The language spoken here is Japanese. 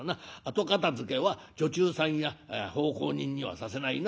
後片づけは女中さんや奉公人にはさせないな。